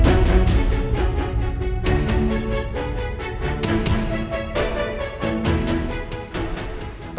aku berani aku berani